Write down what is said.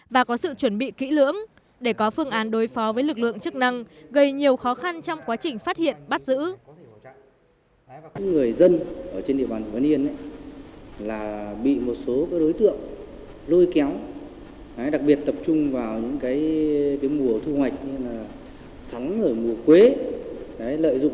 và có sự chuẩn bị kỹ lưỡng để có phương án đối phó với lực lượng chức năng gây nhiều khó khăn trong quá trình phát hiện bắt giữ